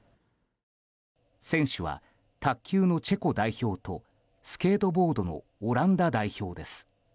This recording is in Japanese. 選手は卓球のチェコ代表とスケートボードのオランダ代表です。